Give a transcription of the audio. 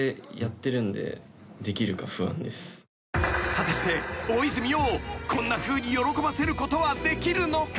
［果たして大泉洋をこんなふうに喜ばせることはできるのか？］